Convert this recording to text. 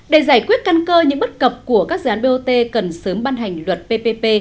để giải quyết căn cơ những bất cập của các dự án bot cần sớm ban hành luật ppp